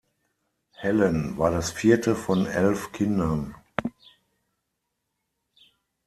Helen war das vierte von elf Kindern.